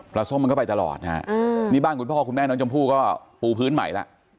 ส้มมันก็ไปตลอดนะฮะนี่บ้านคุณพ่อคุณแม่น้องชมพู่ก็ปูพื้นใหม่แล้ว